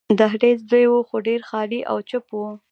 دهلېز لوی وو، خو ډېر خالي او چوپ وو.